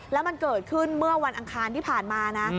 แล้วมันเกิดขึ้นเมื่อวันอังคารที่ผ่านมานะ